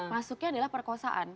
masuknya adalah perkosaan